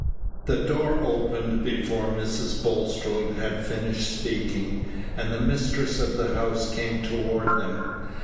The door opened before Mrs. Bulstrode had finished speaking, and the mistress of the house came toward them.